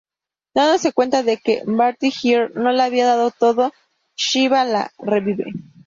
Dándose cuenta de que Batgirl no le había dado todo, Shiva la revive.